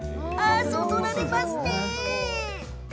そそられますね！